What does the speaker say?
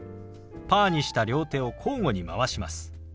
パーにした両手を交互に回します。